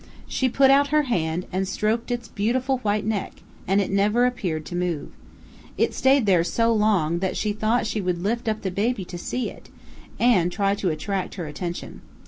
She put out her hand and stroked its beautiful white neck, and it never appeared to move. It stayed there so long that she thought she would lift up the baby to see it, and try to attract her attention.